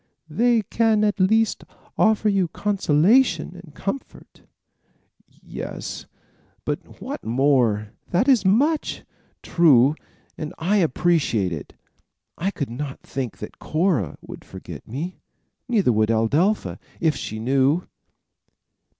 "They can at least offer you consolation and comfort." "Yes; but what more?" "That is much." "True; and I will appreciate it. I could not think that Cora would forget me. Neither would Adelpha, if she knew."